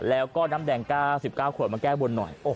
แล้วก็น้ำแดง๙๙ขวดมาแก้บนหน่อย